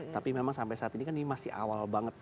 tapi memang sampai saat ini kan ini masih awal banget